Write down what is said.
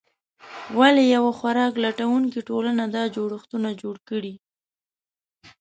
ولې یوه خوراک لټونکې ټولنه دا جوړښتونه جوړ کړي؟